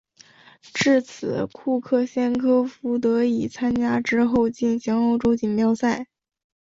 至此库克先科夫得以参加之后进行的欧洲锦标赛。